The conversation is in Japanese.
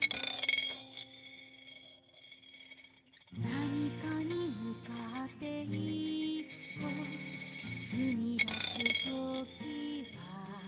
「何かにむかって一歩ふみ出す時は」